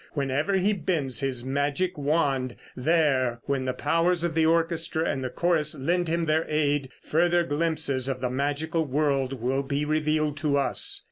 Whenever he bends his magic wand, there, when the powers of the orchestra and chorus lend him their aid, further glimpses of the magic world will be revealed to us.